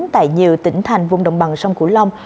tại nhiều tỉnh thành vùng đồng bằng sông cửu long